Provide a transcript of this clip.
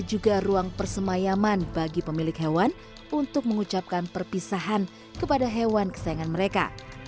juga ruang persemayaman bagi pemilik hewan untuk mengucapkan perpisahan kepada hewan kesayangan mereka